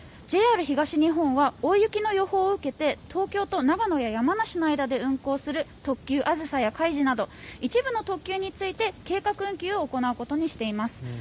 ＪＲ東日本は大雪の予報を受けて東京と長野や山梨の間で運行する特急あずさやかいじなど一部の特急について計画運休を行うことにしています。